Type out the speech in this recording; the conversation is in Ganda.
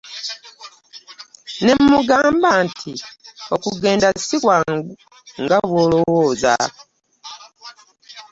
Ne mmugamba nti okugenda si kwangu nga bw’olowooza.